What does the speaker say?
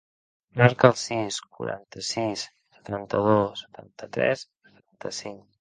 Marca el sis, quaranta-sis, setanta-dos, setanta-tres, setanta-cinc.